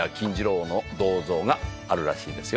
銅像があるらしいですよ。